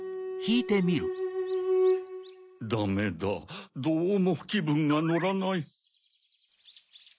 ダメだどうもきぶんがのらない。